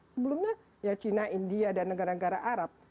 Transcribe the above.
sebelumnya ya china india dan negara negara arab